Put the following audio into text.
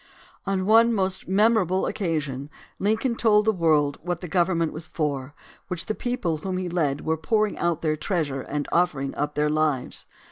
On one most memorable occasion Lincoln told the world what the government was for which the people whom he led were pouring out their treasure and offer ing up their lives.